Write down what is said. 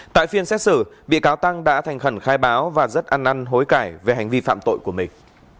tại phiên xét xử bị cáo tăng đã thành khẩn khai báo và rất ăn năn hối cải về hành vi phạm tội của mình